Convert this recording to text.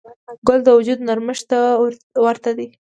ګل د وجود نرمښت ته ورته دی.